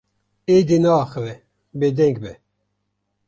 Êdî neaxive, bêdeng be.